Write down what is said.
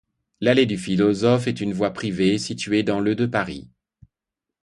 L'allée du Philosophe est une voie privée située dans le de Paris.